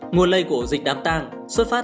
nguồn lây của ổ dịch đám tàng xuất phát